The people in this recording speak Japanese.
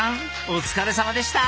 お疲れさまでした！